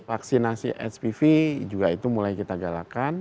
vaksinasi hpv juga itu mulai kita galakan